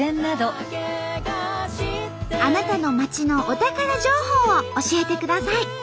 あなたの町のお宝情報を教えてください。